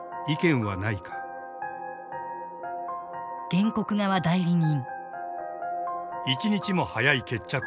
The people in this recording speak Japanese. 原告側代理人。